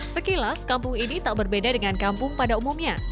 sekilas kampung ini tak berbeda dengan kampung pada umumnya